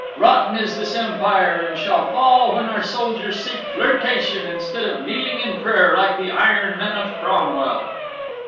Rotten is this empire, and shall fall when our soldiers seek flirtation instead of kneeling in prayer like the iron men of Cromwell."